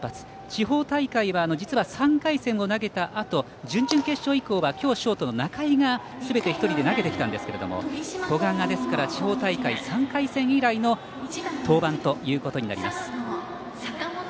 地方大会は実は３回戦を投げたあと準々決勝以降は今日、ショートの仲井がすべて１人で投げてきたんですけれども古賀が地方大会３回戦以来の登板ということになります。